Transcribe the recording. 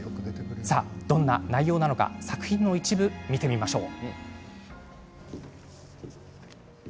どんな内容なのか作品の一部見てみましょう。